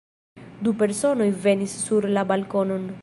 Du personoj venis sur la balkonon.